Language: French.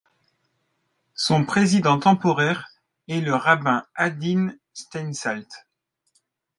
Son président temporaire est le rabbin Adin Steinsaltz.